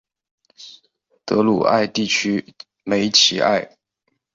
德鲁艾地区梅齐埃。